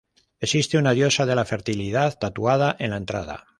Existe una diosa de la fertilidad tatuada en la entrada.